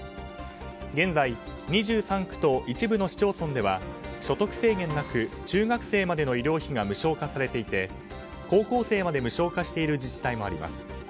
現在、２３区と一部の市町村では所得制限なく中学生までの医療費が無償化されていて、高校生まで無償化している自治体もあります。